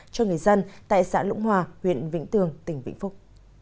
cho người dân tại xã lũng hòa huyện vĩnh tường tỉnh vĩnh phúc